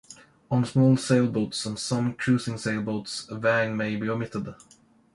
On small sailboats and some cruising sailboats a vang may be omitted.